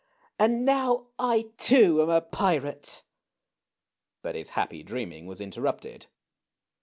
And now I, too, am a pirate !" But his happy dreaming was interrupted.